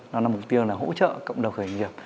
nó là mục tiêu là hỗ trợ cộng đồng khởi nghiệp